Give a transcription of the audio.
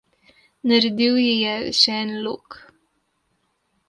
Naredil ji je še en lok.